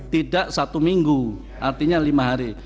tidak satu minggu artinya lima hari